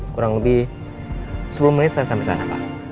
kurang lebih sepuluh menit saya sampai sana pak